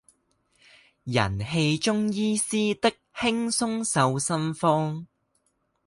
人氣中醫師的輕鬆瘦身方